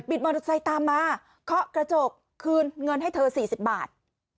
มอเตอร์ไซค์ตามมาเคาะกระจกคืนเงินให้เธอ๔๐บาท